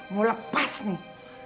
mau lepas nih